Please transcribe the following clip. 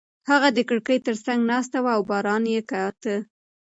هغه د کړکۍ تر څنګ ناسته وه او باران یې کاته.